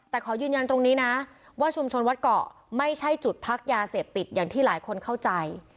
แต่ขอยืนยันตรงนี้นะว่าชุมชนวัดเกาะไม่ใช่จุดพักยาเสพติดอย่างที่หลายคนเข้าใจ